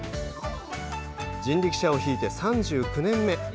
人力車を引いて３９年目。